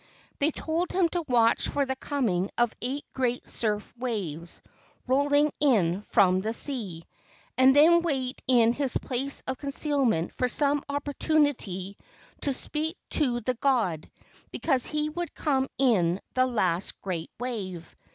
They told him to watch for the coming of eight great surf waves rolling in from the sea, and then wait in his place of concealment for some opportunity to speak to the god because he would come in the last great wave.